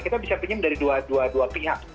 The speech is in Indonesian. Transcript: kita bisa pinjam dari dua dua pihak